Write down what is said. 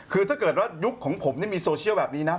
คือถ้าเกิดว่ายุคของผมนี่มีโซเชียลแบบนี้นะ